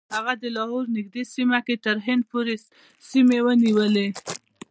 هغه د لاهور نږدې سیمه کې تر هند پورې سیمې ونیولې.